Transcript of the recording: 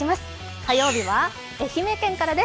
火曜日は愛媛県からです。